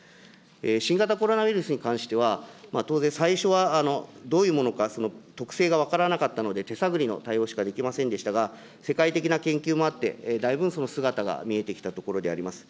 新型コロナウイルスに関しては、当然、最初はどういうものか特性が分からなかったので、手探りの対応しかできませんでしたが、世界的な研究もあって、だいぶんその姿が見えてきたところであります。